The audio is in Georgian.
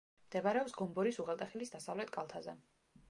მდებარეობს გომბორის უღელტეხილის დასავლეთ კალთაზე.